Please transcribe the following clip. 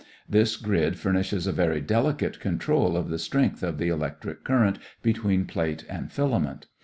This grid furnishes a very delicate control of the strength of the electric current between plate and filament.